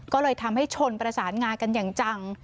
ก็เลยทำให้ชนประสานงากันอย่างจัง